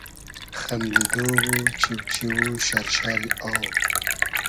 خئندیدۉ و چیو چیو و شئر شئری آو